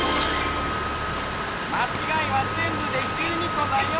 まちがいはぜんぶで１２こだよ！